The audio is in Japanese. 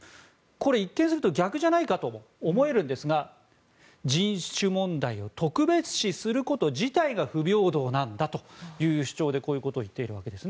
これ、一見すると逆じゃないかとも思えるんですが人種問題を特別視すること自体が不平等なんだという主張でこういうことを言っているわけです。